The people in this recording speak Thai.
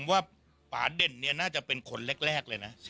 ว่าป่าเด่นเนี่ยน่าจะเป็นคนแรกเลยนะ